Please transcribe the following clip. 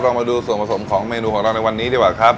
มาดูส่วนผสมของเมนูของเราในวันนี้ดีกว่าครับ